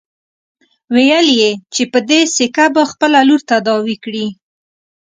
ويل يې چې په دې سيکه به خپله لور تداوي کړي.